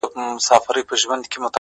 • که زر کلونه ژوند هم ولرمه؛